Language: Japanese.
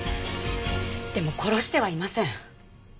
でも殺してはいません。